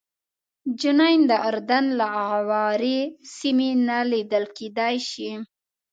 جنین د اردن له اغاورې سیمې نه لیدل کېدای شي.